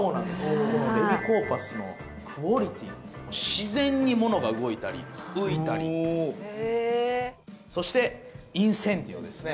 このレビコーパスのクオリティ自然に物が動いたり浮いたりへえそしてインセンディオですね